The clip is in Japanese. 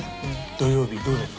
土曜日どうですか？